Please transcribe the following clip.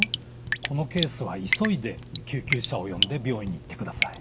このケースは急いで救急車を呼んで病院に行ってください。